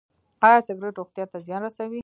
ایا سګرټ روغتیا ته زیان رسوي؟